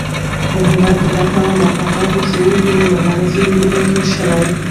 د هېواد د ګټو او مفاداتو شعور یې د مبارزې له وینو تېر شوی.